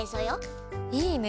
いいね。